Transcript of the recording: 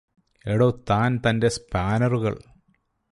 എടോ താന് തന്റെ സ്പാനറുകള്